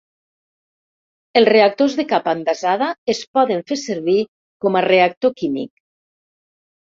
Els "reactors de capa envasada" es poden fer servir com a reactor químic.